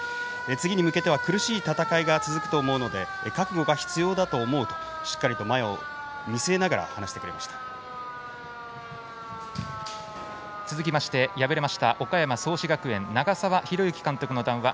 次に向けては苦しい戦いが続くと思うので覚悟が必要だと思うとしっかりと前を見据えながら続いて敗れました岡山・創志学園の長澤宏行監督の談話